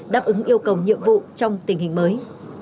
đáp ứng yêu cầu nhiệm vụ trong tình hình mới